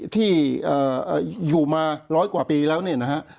ที่อยู่มาร้อยกว่าปีแล้วเนี่ยนะฮะ